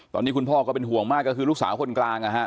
ตอนนี้คุณพ่อก็เป็นห่วงมากก็คือลูกสาวคนกลางนะฮะ